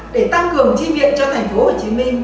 để tăng cường chi viện cho tp hcm